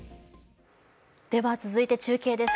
では続いて中継です